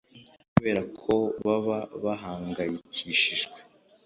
kubera ko baba bahangayikishijwe